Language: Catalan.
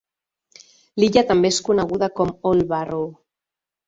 L'illa també és coneguda com "Old Barrow".